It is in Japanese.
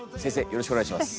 よろしくお願いします。